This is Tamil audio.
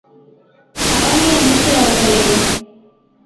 தலைமை அமைச்சர் அவர்களே!.